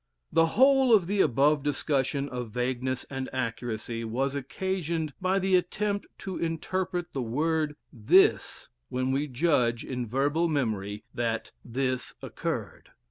The whole of the above discussion of vagueness and accuracy was occasioned by the attempt to interpret the word "this" when we judge in verbal memory that "this occurred."